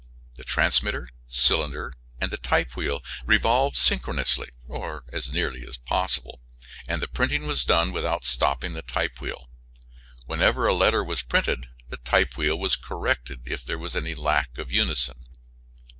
The transmitter, cylinder, and the type wheel revolved synchronously, or as nearly so as possible, and the printing was done without stopping the type wheel. Whenever a letter was printed the type wheel was corrected if there was any lack of unison.